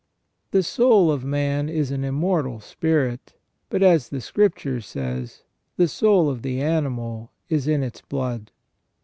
The soul of man is an immortal spirit ; but, as the Scriptures says, the soul of the animal is in its blood.